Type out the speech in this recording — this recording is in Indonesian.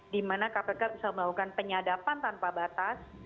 di mana kpk bisa melakukan penyadapan tanpa batas